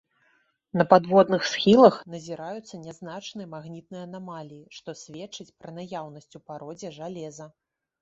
На падводных схілах назіраюцца нязначныя магнітныя анамаліі, што сведчыць пра наяўнасць у пародзе жалеза.